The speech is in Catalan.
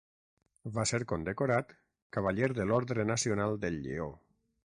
Va ser condecorat cavaller de l'Orde Nacional del Lleó.